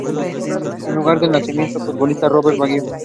Es el lugar de nacimiento del futbolista Roberto Baggio.